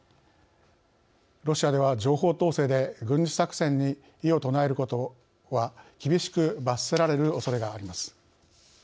ロシアでは情報統制で軍事作戦に異を唱えることは厳しく罰せられるおそれがあります。